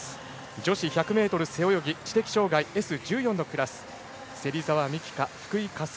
女子１００ｍ背泳ぎ知的障がいＳ１４のクラス芹澤美希香、福井香澄。